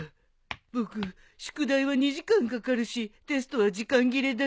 僕宿題は２時間かかるしテストは時間切れだし。